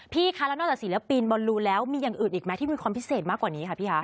คะแล้วนอกจากศิลปินบอลลูแล้วมีอย่างอื่นอีกไหมที่มีความพิเศษมากกว่านี้ค่ะพี่คะ